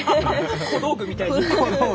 小道具みたいに。